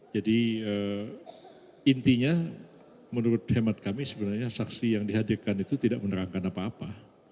jadi intinya menurut hemat kami sebenarnya saksi yang dihadirkan itu tidak menerangkan apa apa